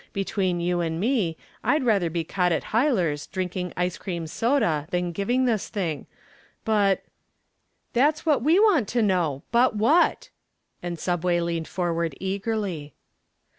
Between you and me I'd rather be caught at Huyler's drinking ice cream soda than giving this thing. But " "That's what we want to know, but what?" and "Subway" leaned forward eagerly.